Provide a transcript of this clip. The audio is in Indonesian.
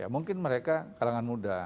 mungkin mereka kalangan muda